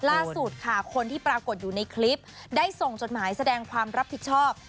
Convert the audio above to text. ล่าสุดค่ะคนที่ปรากฏอยู่ในคลิปได้ส่งจดหมายแสดงความรับผิดชอบ